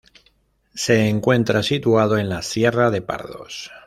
Se encuentra situado en la sierra de Pardos.